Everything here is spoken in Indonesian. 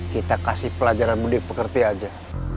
kita kasih pelajaran mudik pekerti aja